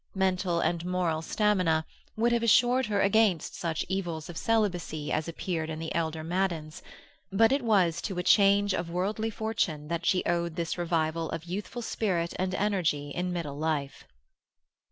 Mental and moral stamina would have assured her against such evils of celibacy as appeared in the elder Maddens, but it was to a change of worldly fortune that she owed this revival of youthful spirit and energy in middle life.